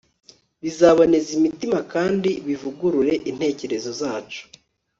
bizaboneza imitima kandi bivugurure intekerezo zacu